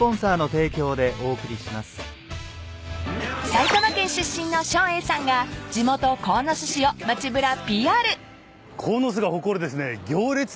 ［埼玉県出身の照英さんが地元鴻巣市を街ぶらＰＲ］